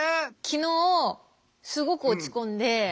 昨日すごく落ち込んで。